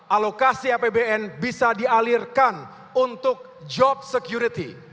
alokasi apbn bisa dialirkan untuk job security